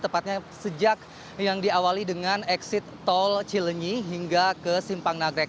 tepatnya sejak yang diawali dengan exit tol cilenyi hingga ke simpang nagrek